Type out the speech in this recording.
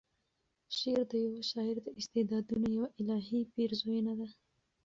شعر د یوه شاعر د استعدادونو یوه الهې پیرزویَنه ده.